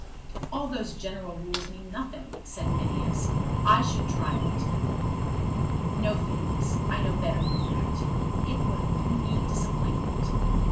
"All those general rules mean nothing," said Phineas. "I should try it." "No, Phineas. I know better than that. It would only be disappointment.